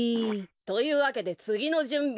というわけでつぎのじゅんびだ。